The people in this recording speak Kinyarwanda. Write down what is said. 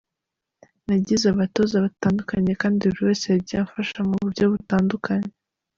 Nagize abatoza batandukanye kandi buri wese yagiye amfasha mu buryo butandukanye.